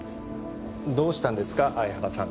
どうしたんですか相原さん